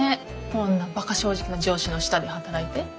こんなバカ正直な上司の下で働いて。